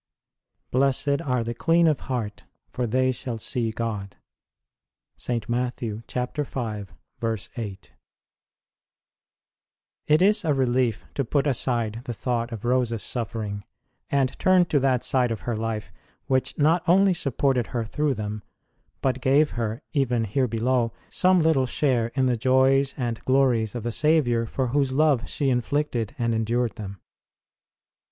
Blessed are the clean of heart, for they shall see God. St. Matt. v. 8. |]T is a relief to put aside the thought of Rose s suffering and turn to that side of her life which not only supported her through them, but gave her, even here below, some little share in the joys and glories of the Saviour for Whose love she inflicted and endured them.